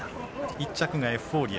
１着がエフフォーリア。